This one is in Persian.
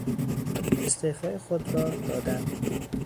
استعفای خود را دادن